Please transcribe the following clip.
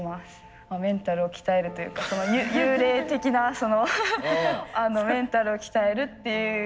メンタルを鍛えるというか幽霊的なメンタルを鍛えるっていう。